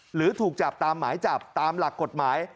หรือถูกจับตามหมายจับตามหลักกฎหมาย